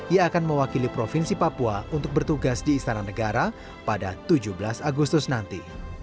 ia akan mewakili provinsi papua untuk bertugas di istana negara pada tujuh belas agustus nanti